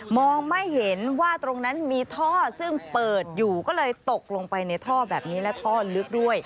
มองไม่เห็นว่าตรงนั้นมีท่อซึ่งเปิดอยู่ก็เลยตกลงไปในท่อแบบนี้และท่อลึกด้วย